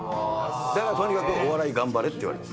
だからとにかくお笑い頑張れって言われた。